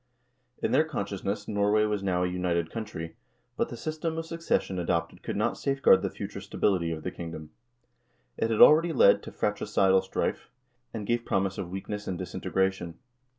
In their consciousness Norway was now a united country, but the system of succession adopted could not safeguard the future stability of the kingdom. It had already led to fratricidal strife, and gave promise of weakness and disintegration.